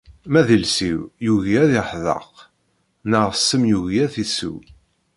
Ma d iles-iw yugi ad iḥdeqq, neɣ ssem yugi ad t-isew.